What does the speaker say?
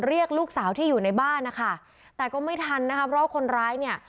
เรียกลูกสาวที่อยู่ในบ้านนะคะแต่ก็ไม่ทันนะคะเพราะคนร้ายเนี่ย